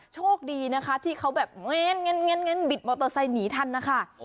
โชคดีนะคะที่เขาแบบเงนบิดมอเตอร์ไซค์หนีทันนะคะ